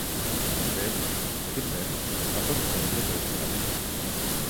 De fet, Hitler es va sorprendre pel jurament.